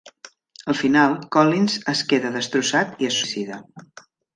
Al final, Collins es queda destrossat i es suïcida.